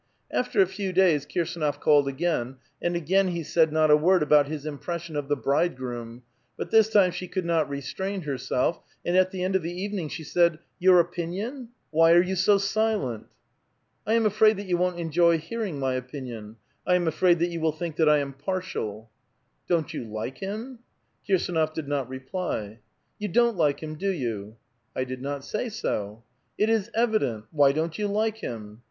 After a few days Kirsdnof called again, and again he said not a word about his impression of the " bridegroom "; but this time she could not restrain herself, and at the end of the evening, she said :—'' Your opinion? Why are you so silent?" '' I am afraid that you won't enjoy hearing my opinion ; I am afraid that you will think that I am partial." ''Don't you like him?" Kirsdnof did not reply. *' You don't like him, do 30U?" " I did not say so." " It is evident. Why don't you like him?